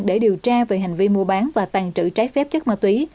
để điều tra về hành vi mua bán và tàn trữ trái phép chất ma túy